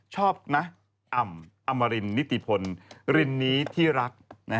ชอบนะอ่ำอมรินนิติพลรินนี้ที่รัก